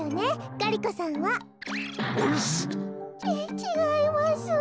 ちちがいます。